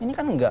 ini kan tidak